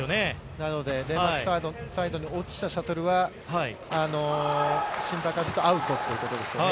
なのでデンマークサイドに落ちたシャトルは、審判からするとアウトっていうことですよね。